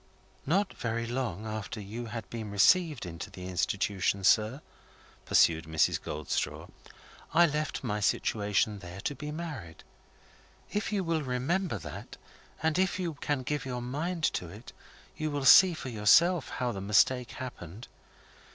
"Not very long after you had been received into the Institution, sir," pursued Mrs. Goldstraw, "I left my situation there, to be married. If you will remember that, and if you can give your mind to it, you will see for yourself how the mistake happened.